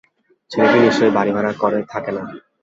ছেলেটি নিশ্চয়ই বাড়ি ভাড়া করে থাকে না।